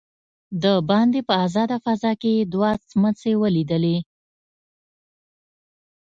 دباندې په آزاده فضا کې يې دوه سمڅې وليدلې.